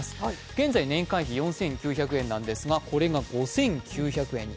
現在、年会費４９００円なんですがこれが５９００円に。